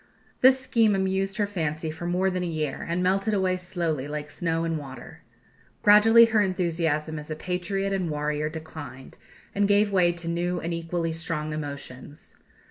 This scheme amused her fancy for more than a year, and melted away slowly, like snow in water. Gradually her enthusiasm as patriot and warrior declined, and gave way to new and equally strong emotions.